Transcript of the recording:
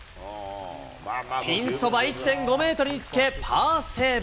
ピンそば１．５メートルにつけ、パーセーブ。